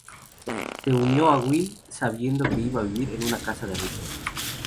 Se unió a Will sabiendo que iba a vivir en una casa de ricos.